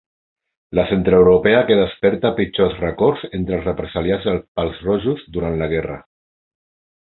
La centreeuropea que desperta pitjors records entre els represaliats pels rojos durant la guerra.